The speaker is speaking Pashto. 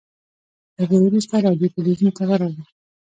تر دې وروسته راډیو تلویزیون ته ورغلو.